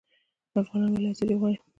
افغانان ولې ازادي غواړي؟